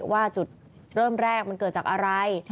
ว่าจุดเริ่มแรกมันเกิดจากอะไร